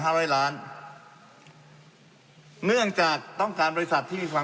ร้อยล้านเนื่องจากต้องการบริษัทที่ฟัง